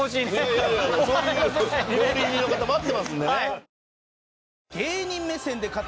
いやいやいやそういう料理人の方待ってますんでね。